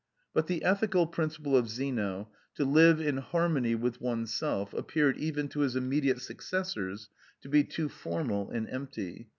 But the ethical principle of Zeno—to live in harmony with oneself—appeared even to his immediate successors to be too formal and empty.